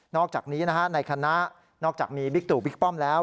อกจากนี้ในคณะนอกจากมีบิ๊กตู่บิ๊กป้อมแล้ว